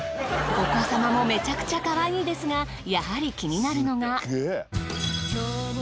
お子様もめちゃくちゃかわいいですがやはり気になるのが。